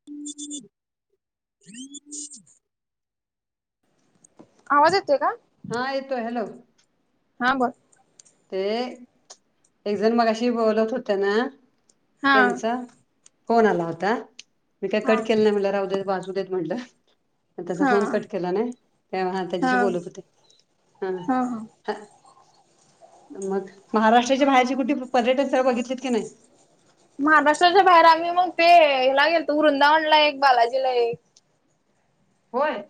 हम् हम् आवाज येतोय का हा येतोय हॅलो हा बोल ते एकजण मगाशी बोलत होते ना हा त्यांचा फोन आला होता मी काय हा कट केलं नाही म्हणलं राहुदेत वाजू देत म्हणलं मग त्याचा हा फोन कट केला नाही त्यामुळं हा त्याच्याशी बोलत होते हा हा मग महाराष्ट्राच्या बाहेरचे कुठले पर्यटन स्थळ बघितलेत का नाही महाराष्ट्राच्या बाहेर आम्ही मग ते हिला गेलतो वृंदावनला एक बालाजीला एक होय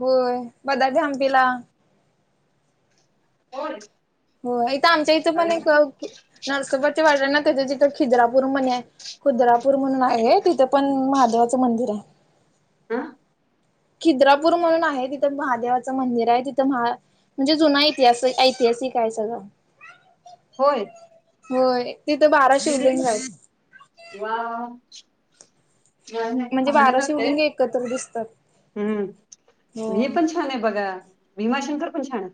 होय बदामी हंपीला होय हो इथं आमच्या इथं पण अरे वा एक नरसोबाच्या वाडी आहे ना त्याच्याच इथं खिद्रा पूर म्हणे आहे खुद्रापूर म्हणून आहे तिथं पण महादेवाचं मंदिर आहे अं खिद्रापूर म्हणून आहे तिथं महादेवाचं मंदिर आहे तिथं महा म्हणजे जुना इतिहास ऐतिहासिक आहे सगळं होय होय तिथं बारा शिवलिंग आहेत वाव नाही नाही पाहण्यासारखं आहे कत्र दिसतात हो हम्म ही पण छान आहे बघा भीमाशंकर पण छान आहे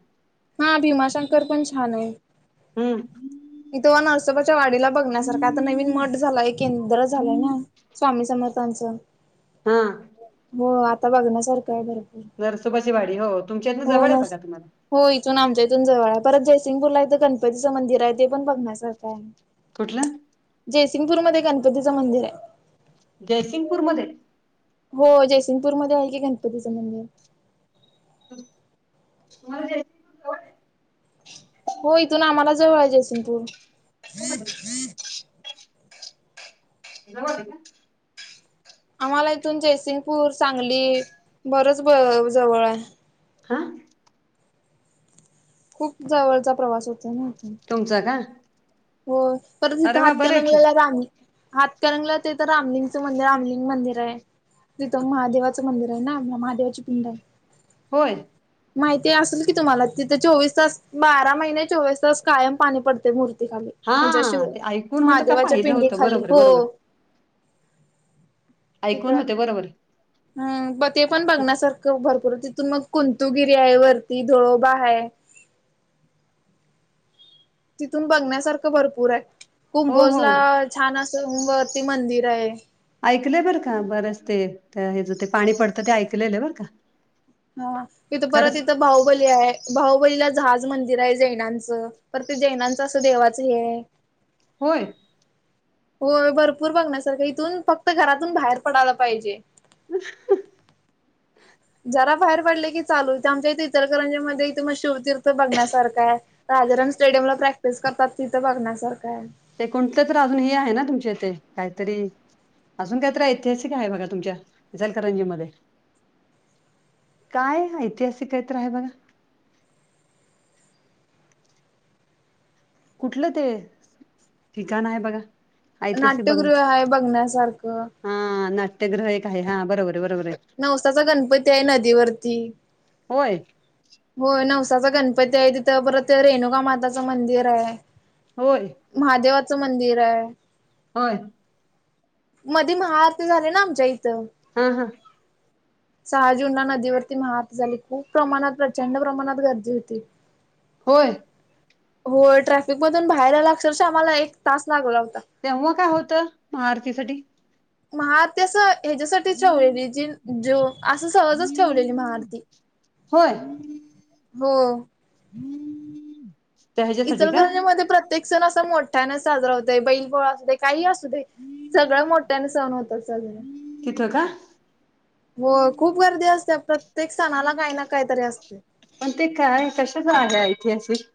हा भीमाशंकर पण छान आहे हम्म तिथं ओ नरसोबाच्या वाडीला बघण्यासारखं आहे आता नवीन मठ झालाय एक केंद्र झालंय ना स्वामी समर्थांचं हा हो आता बघण्यासारखं आहे भर नरसोबाची वाडी हो तुमच्या इतनं जवळ आहे न बघा तुम्हाला हो इथून आमच्या इथून जवळ आहे. परत जयसिंगपूरला इथं गणपतीचं मंदिर आहे ते पण बघण्यासारखं आहे. कुठला- जयसिंगपूरमध्ये गणपतीचं मंदिर आहे. जयसिंगपूरमध्ये- हो जयसिंगपूरमध्ये आहे की गणपतीचं मंदिर- [unintelligible] हो इथून आम्हाला जवळ आहे जयसिंगपूर. आहे? जवळ ये. आम्हाला इथून जयसिंगपूर सांगली बरच जवळ आहे. हा खूप जवळचा प्रवास होतय ना. तुमचं का? हो परत अरे इथं वा बरं आहे की हातकणंगलेला राणी- हातकणंगले ला ते तर रामलिंगचं मंदिर, रामलिंग मंदिर आहे. तिथं महादेवाचं मंदिर आहे ना, म महादेवाची पिंड आहे. होय..... माहिती असेल की तुम्हाला? तिथे चोवीस तास- बारा महिने चोवीस तास कायम पाणी पडते मूर्तीखाली. हा ते ऐकून होतं का पाहिलं होतं खाली बरोबर बरोबर- हो ऐकून होते बरोबर- हम म ते पण बघण्यासारखं भरपूर. तिथून मग कुंंतुगिरी आहे वरती धुळोबा आहे. तिथून बघण्यासारखं भरपूर आहे, हो कुंभोज हो ला छान असं वरती मंदिर आहे. ऐकलंय बरं का बरंच ते हे ज ते पाणी पडतं ते ऐकलेलं बरं का- हा इथं परत खरंच इथं बाहुबली आहे. बाहुबलीला जहाज मंदिर आहे जैनांचं. परते जैनांचं असं देवाचं हे आहे- होय.... हो भरपूर बघण्यासारखं इथून फक्त घरातून बाहेर पडायला पाहिजे. अं ह- जरा बाहेर पडले की चालूच, आमच्या इथे इचलकरंजी मध्ये इथे म शिवतीर्थ बघण्यासारखं आहे. राजाराम स्टेडियम ला प्रॅक्टिस करतात, तिथं बघण्यासारखं आहे. ते कोणतच अजून ह आहे ना तुमच्या इथे काहीतरी- अजून कायतरी ऐतिहासिक आहे बघा, तुमच्या इचालकरंजी मध्ये- काय ऐतिहासिक काहीतर आहे बघा- कुठलं ते ठिकाण आहे बघा- ऐतिहासिक बघ ना नाट्यगृह आहे बघण्यासारखं- हा नाट्यगृह एक आहे. हा बरोबर आहे बरोबर आहे. नवसाचा गणपती आहे नदीवरती- होय... हो नवसाचा गणपती आहे. तिथं परत रेणुका माताचं मंदिर आहे. होय.... महादेवाचं मंदिर आहे. होय. मध्ये महाआरती झाली ना आमच्या इथं- हा.. सहा जून ला नदीवरती महा आरती झाली, खूप प्रमाणात गर्दी- प्रचंड प्रमाणात गर्दी होती. होय. होय ट्रॅफिक मधून बाहेर यायला अक्षरशः आम्हाला एक तास लागला होता. तेव्हा काय होतं महाआरतीसाठी? महाआरती असं ह्याच्यासाठीच ठेवलेली जी जो असं सहजच ठेवलेली महाआरती होय हो. [unintelligible] ह्याच्यासाठी का इचलकरंजी मध्ये प्रत्येक सण असा मोठ्याने साजरा होत बैलपोळा असू दे काही असू दे. सगळं मोठ्याने सहन होतात सज तिथं का? हो खूप गर्दी असते प्रत्येक सणाला काही ना काही तरी असते. पण ते काय कशाच आहे ऐतिहासिक?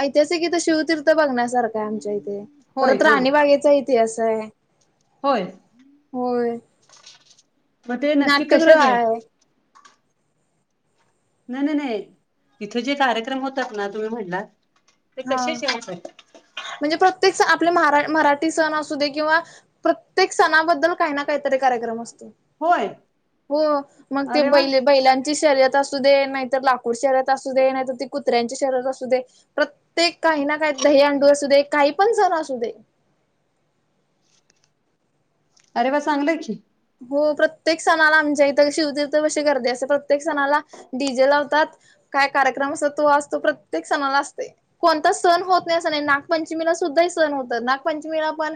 ऐतिहासिक इथं शिवतीर्थ बघण्यासारखा आहे आमच्या इथे होय परत का राणीबागेचा इतिहास आहे. होय. होय मग ते नक्की नाट्यगृह कशाच आहे. नाही-नाही-नाही तिथे जे कार्यक्रम होतात ना तुम्ही म्हणलात ते हा कसेच आहेत? म्हणजे प्रत्येक सण आपले म मराठी सण असू दे किंवा प्रत्येक सणाबद्दल काही ना काहीतरी कार्यक्रम असतो. होय हो मग ते अरे वा बैले बैलांची शर्यत अस असु दे नाही तर लाकूड शर्यत असू दे नाही तर ती कुत्र्यांच्या शर्यत असू दे. प्रत्येक काही ना काही दही अंडू असू दे काही पण सण असू दे. अरे वा चांगलंय की. हो प्रत्येक सणाला आमच्या इथं शिवतीर्थापाशी गर्दी असते प्रत्येक सणाला डीजे लावतात काय कार्यक्रम असत तो आज तो प्रत्येक सणाला असतेय. कोणता सण होत नाही असं नाही नागपंचमीला सुद्धाही सण होतात नागपंचमीला पण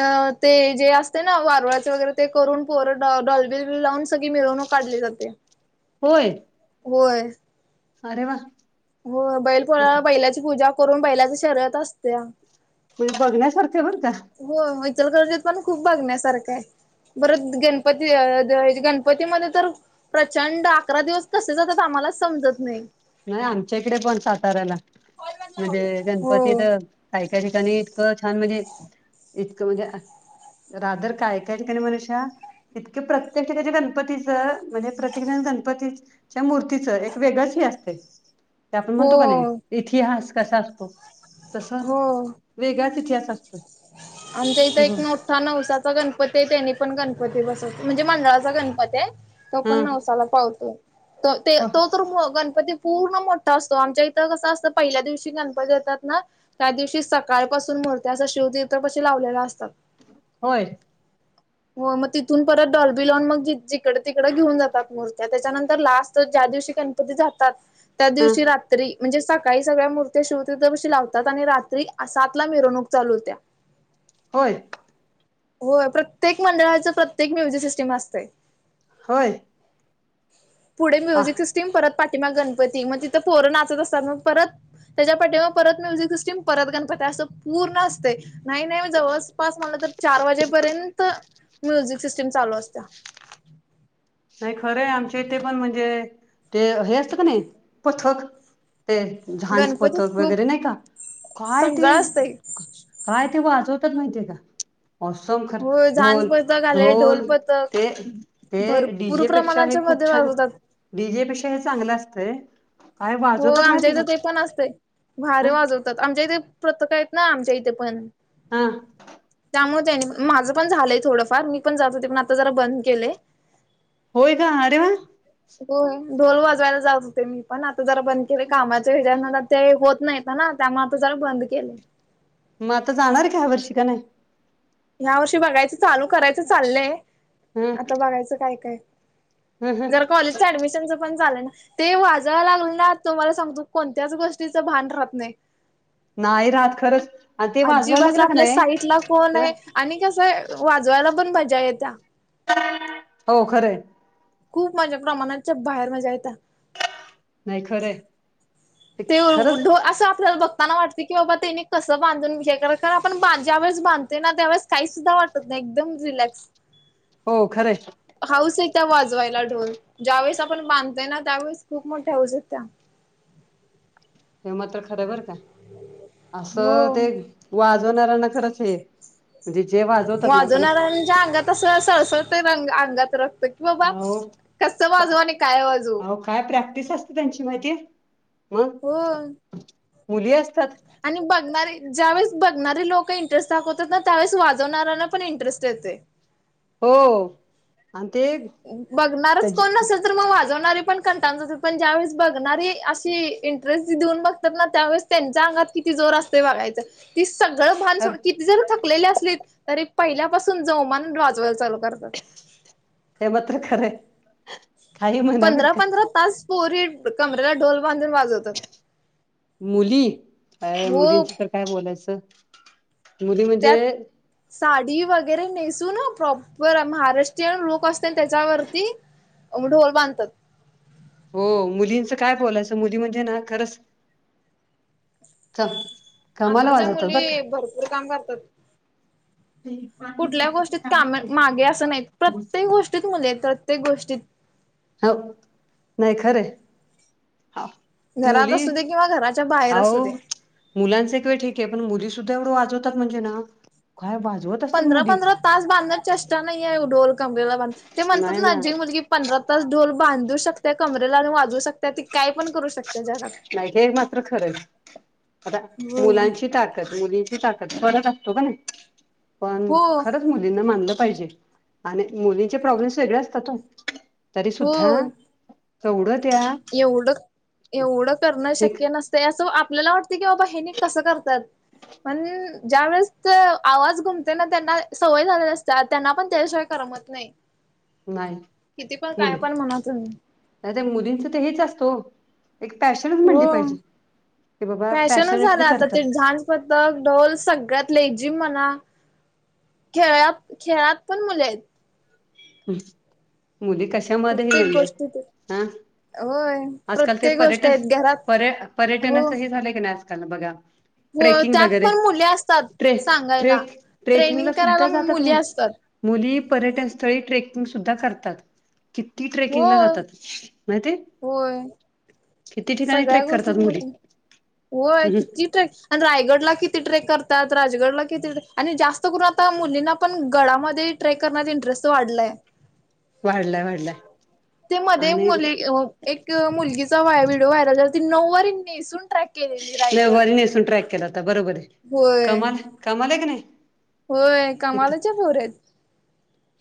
अ ते जे असते ना वारुळाचे वगैरे ते करून पोर डॉल बिल लावून सगळी मिरवणूक काढली जाते. होय. होय. अरे वा. हो बैल पोळा म्हणजे बैलाची पूजा करून बैलाची शर्यत अस्तिया. ते बघण्यासारखे बर का. हो इचलकरंजी पण खूप बघण्यासारखं आहे. बर गणपती गणपतीमध्ये तर प्रचंड अकरा दिवस कसे जातात आम्हालाच समजत नाही. नाही आमच्या इकडे पण साताऱ्याला म्हणजे हो गणपती तर काही-काही ठिकाणी इतकं छान म्हणजे इतकं म्हणजे राधर काय ऐका ठिकाणी का मनीषा इतके प्रत्येक ठिकाणी गणपतीचं म्हणजे प्रत्येकजण गणपतीच च्या मूर्तीचं एक वेगळच हे असत ते आपण म्हणतो का नाही हो इतिहास कसा असतो तस हो वेगळाच इतिहास असतोय. आमच्या इथं एक नट नवसाचा गणपती आहे त्यानी पण गणपती बसत म्हणजे मंडळाचा गणपत आहे. तो पण नवसाला पावतो ते हो तोच तर गणपती पूर्ण मोठा असतो आमच्या इथं कसं असतं पहिल्या दिवशी गणपती येतात ना त्या दिवशी सकाळपासून मुर्त्या असा शिवतीर्थ पशी लावलेल्या असतात. होय. हो मग तिथून परत डॉलबि लाऊन मग जिकडे तिकडं घेऊन जातात मूर्त्या त्याच्यानंतर लास्ट ज्या दिवशी गण जातात. त्या हा दिवशी रात्री म्हणजे सात काही सगळ्या मूर्त्या शिवतीर्थपाशी लावतात आणि रात्री सात ला मिरवणूक चालू होत्या. होय? हो. प्रत्येक मंडळाचं प्रत्येक म्युझिक सिस्टम असतंय होय? पुढे हा म्युझिक सिस्टीम परत पाठिमा गणपती मग तिथं पोरं नाचत असतात मग परत त्याच्या पाठीमागे परत म्युझिक सिस्टीम परत गणपती असं पूर्ण असतय नाही नाही जवळपास म्हटलं तर चार वाजेपर्यंत म्युझिक सिस्टम चालू असत्या. नाही खरं आहे आमच्या इथे पण म्हणजे ते हे असते कनी पथक ते झांज पथक गणपतीत खूप वगैरे नाही का काय ते सगळं असतंय. काय ते वाजवतात माहित आहे का [unintelligible] खरं हो झांज ढोल पथक आले ढोल ते पथक हे भरपूर डीजे पेक्षा हे प्रमाणाच्या खूप मध्ये छान वाजवतात डीजे पेक्षा हे चांगलं असतंय. काय हो वाजवतात आमच्या माहिती इथे का ते पण असतय भारी ह वाजवतात आमच्या इथे पथक आहेत ना आमच्या इथे पण. हा. त्यामुळे त्यानी माझं पण झालंय थोडंफार मी पण जात होते पण आता जरा बंद केलय. होय का अरे वा. हो ढोल वाजवायला जात होते मी पण आत जरा बंद केलय कामाच्या हे जान ते होत नाहीत ना त्यामुळे आता जरा बंद केलय. मग आता जाणार काय ह्या वर्षी काय नाही? ह्या वर्षी बघायचं चालू करायचं चाललंय हम् आता बघायचं काय काय. हम् हम जरा कॉलेजच ऍडमिशनच पण चालू ना ते वाजायला लागल ना तुम्हाला सांगतो कोणत्याच गोष्टीच भान राहत नाही. नाही रहात खरंच. आणि ते वाजवायला अजिबत लागलं का आपल्या नाही साईट ला कोण तर आहे आणि कसं आहे वाजवायला पण मजा येत्या. हो खरं हाय. खूप माझ्या प्रमाणाच्या बाहेर मज्जा येत्या. नाही खरं हाय. ते मुडुळ असं आपल्याला बघताना वाटत की बाबा तेनी कसं बांधून हे कारण आपण ज्यावेळेस बांधतोय ना त्यावेळेस काही सुद्धा वाटत त नाही एकदम रिलॅक्स. हो खरंय. हाऊस येत्या वाजवायला ढोल ज्यावेेळेस आपण बांधतोय ना त्यावेळेस खूप मोठ्या हाऊस येत्या. हे मात्र खरं बर का असं हो ते वाजवणाऱ्यांना खरंच हे म्हणजे जे वाजवतात ना त्यांना वाजवणाऱ्यांच्या अंगात तसंच सळसळतय रंग अंगात रक्त की बाबा अहो कसं का- वाजवू आणि काय वाजवू. अहो काय प्रॅक्टिस असते त्यांची माहिती आहे? होय. मुली असतात आणि बघणारी ज्यावेेळेस बघणारी लोक इंटरेस्ट दाखवतात ना त्यावेळेस वाजवणाऱ्यांना पण इंटरेस्ट येतोय. हो आणि ते बघणारच त्याची कोण नसलं. तर मग वाजवणारे पण कंटाळून जातात, पण ज्या वेळेस बघणारी अशी इंटरेस्ट देऊन बघतात ना त्यावेळेस त्यांच्या अंगात किती जोर असतोय बघायचं. ती सगळं भान खर सोडून किती जर थकलेली असलीत, तरी पहिल्यापासून जोमानं वाजवायला चालू करतात. हे मात्र खरं आहे. पंधरा पंधरा तास, पोरी कमरेला ढोल बांधून वाजवतात. मुली, काय हो मुलींचं तर काय बोलायचं मुली त्यात म्हणजे साडी वगैरे नेसून हां, प्रॉपर महाराष्ट्रीयन लुक असतोय त्याच्यावरती. मग ढोल बांधतात. हो, मुलींचं काय बोलायचं. मुली म्हणजे ना खरंच च आत्ताच्या मुली, भरपूर काम करतात. कुठल्या गोष्टीत, कामात मागे असं नाहीत. प्रत्येक गोष्ट ष्टीत, मुली आहेत प्रत्येक गोष्टीत. हो, नाही खरं आहे. हो. घरात असू दे किंवा घराच्या बाहेर असू दे मुलांचा एक वेळ ठीक आहे, पण मुलीसुद्धा एवढं वाजवतात म्हणजे ना काय वाजवतात पंधरा पंधरा तास बांधून चेष्टा नाहीये अहो, ढोल कमरेला बांधून. ते म्हणतात ना, जी मुलगी पंधरा तास ढोल बांधू शकत ते कमरेला आणि वाजवू शकते. ती काय पण करू शकता ज नाही, हे मात्र खरं आहे. आता हो मुलांची ताकद, मुलीं ची ताकत फरक असतो का नाही. पण हो खरं पण मुलींना मानलं पाहिजे आणि मुलींचे प्रॉब्लेम्स वेगळे असतात ओ. तरी सुद्धा, हो तेवढं त्या एवढं, एवढं करणं एक शक्य नसत तंय. असं आपल्याला वाटतं की, बाबा हे नी कसं करतात पण ज्या वेळेस त्यो आवाज घुमते ना, त्यांना सवय झालेली असते. त्यांना पण त्याशिवाय करमत नाही नाही नाही, मुली. तुम्ही नाही तर मुलींच तर हेच असतो ओ एक पॅशनच म्हणली हो पाहिजे, की बाबा पॅशीनेटली करतात. पतक, ढोल सगळ्यात लेझीम म्हणा खेळा, खेळात पण मुली आहेत. हम्, मुली कशामध्येही प्रत्येक नाहीये. गोष्टीत आ? होय आजकाल ते प्रत्येक गोष्ट पर्यटन आहेत घरात पर्य हो पर्यटनाचं हे झालं की नाही आजकाल बघा हो ट्रेकिंग त्यात वगैरे, पण मुली असतात ट्रे सांगायला. ट्रेक ट्रेनिंग ट्रेकिंगला करायला सुद्धा जातात मुली. असतात. मुली पर्यटनस्थळी ट्रेकिंग सुद्धा करतात, किती ट्रेकिंगला होय जातात. माहितीये? होय, किती ठिकाणी सगळ्या ट्रेक करतात गोष्टीत मुली. होय, हम् किती ट्रेकिं आणि रायगडला किती ट्रेक करतात? राजगडला किती ट्रेक आणि जास्त करून आता मुलींना पण गडामध्ये ट्रेक करण्यात इंटरेस्ट वाढलाय. वाढलाय, वाढलाय ते मध्ये आणि मुली एक मुलगीचा व्हाय व्हिडिओ व्हायरल झाला, ती नऊवारी नेसून ट्रॅक केलेली रायगड नऊवारी नेसून ट्रॅक केला होता, बरोबर. होय कमाल आहे, कमाल आहे की नाही. होय, कमालीच्या पोरी आहेत.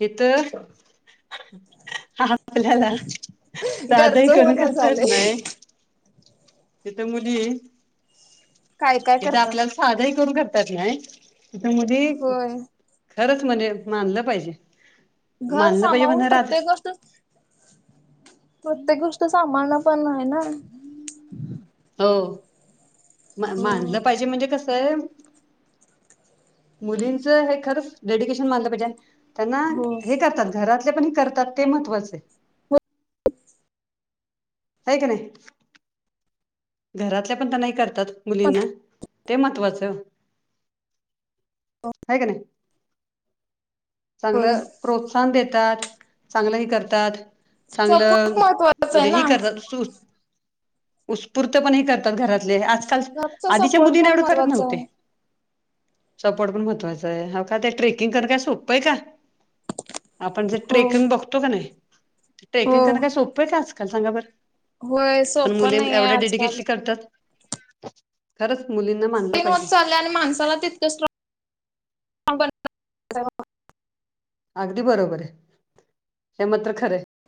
हितं हां आपल्यालां सांधही घरचं कोणं होणं करतंच नां झालंय तिथे मुली काय काय तेथं करतात आपल्यांला सांधही करूंन करतां येतं नाहीं हितं मुली होय खरंच म्हणे मानलं पाहिजे घरं मानलं पाहिजे म्हण सामावूंन राध प्रत्येक प्रत्येक गोष्टं सांभाळणं पणं आहे नां. हो मं हम्म मानलं पाहिजे म्हणजे कसं मुलींच हे खरंच डेडिकेशन मानलं पाहिजे त्यांना हो हे करतांत घरांत करतांत ते महत्वांचे आहे कां नाहीं, घरांतल्या पणं त्यांना हे करतांत मुलींना ते महत्त्वाचं हो हं कां नाहीं होय. चांगलं प्रोत्सांहन देतांत चांगलंही करतांत सपोर्ट चांगलं महत्त्वाचा म्हणजे आहे ना हे करतांत सु पुूर्त पणं हे करतांत घरांतले आंजकांल घरचा आधींच्या सपोर्ट मुलींना पण एवढं करतं महत्त्वाचा नव्हते आहे. सपोर्ट पणं महत्वाचं आहे, हं आंता ते ट्रेकिंग करंन कायं सोप आहे कां आपणं जे हो ट्रेकिंग बघतो कां नाहीं हो. ट्रेकिंग करणं कायं सोप आहे कां आंजकांल सांगा बरं होयं सोप नाहीं आहे आंजकांल करतांत खरंच मुलींना मानलं तीन होत पाहिजे चाललंय आणि माणसांला तितकं स्ट्रॉं [inaudible] [unintelligible] अगदीं बरोबर आहे, हे मात्रं खरं आहे.